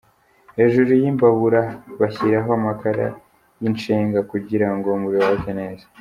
Hejuru y’imbabura bashyiraho amakara y’incenga kugira ngo umuriro wake neza.